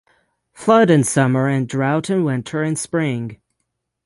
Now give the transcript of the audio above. Flood in summer and drought in winter and spring.